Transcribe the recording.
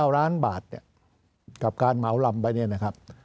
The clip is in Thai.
๙ล้านบาทเนี่ยกับการเหมาลำไปเนี่ยนะครับ